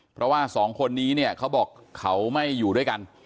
เพราะว่าสองคนนี้เนี่ยเขาบอกเขาไม่อยู่ด้วยกัน